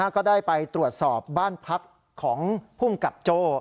ก็ได้ไปตรวจสอบบ้านพักของภูมิกับโจ้